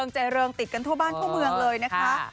แจเริงติดกันโทรบ้านโทรเมืองเลยนะคะ